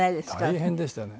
大変でしたよね。